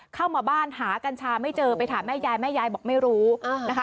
เข้ามาบ้านหากัญชาไม่เจอไปถามแม่ยายแม่ยายบอกไม่รู้นะคะ